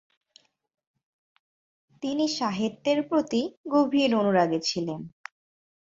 তিনি সাহিত্যের প্রতি গভীর অনুরাগী ছিলেন।